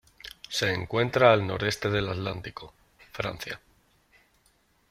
Se encuentra al noreste del Atlántico: Francia.